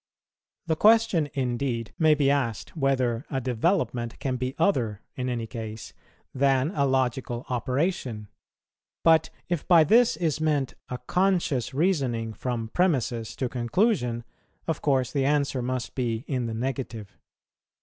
The question indeed may be asked whether a development can be other in any case than a logical operation; but, if by this is meant a conscious reasoning from premisses to conclusion, of course the answer must be in the negative.